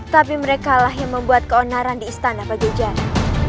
tapi mereka lah yang membuat keonaran di istana pajajara